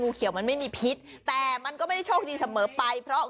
เขียวมันไม่มีพิษแต่มันก็ไม่ได้โชคดีเสมอไปเพราะ